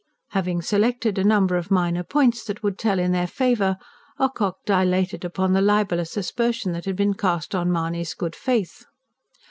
Having selected a number of minor points that would tell in their favour, Ocock dilated upon the libellous aspersion that had been cast on Mahony's good faith.